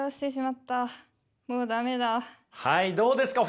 はいどうですか？